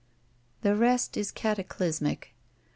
The rest is cataclysmic.